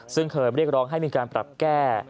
ซึ่งเคยเรียกร้องให้มีการปรับแก้